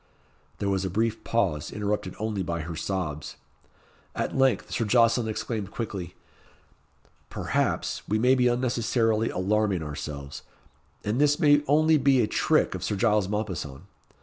There was a brief pause, interrupted only by her sobs. At length Sir Jocelyn exclaimed quickly, "Perhaps, we may be unnecessarily alarming ourselves, and this may only be a trick of Sir Giles Mompesson.